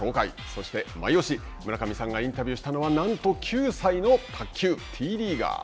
そして、マイオシ村上さんがインタビューしたのはなんと９歳の卓球Ｔリーガー。